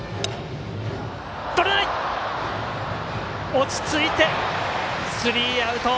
落ち着いて、スリーアウト。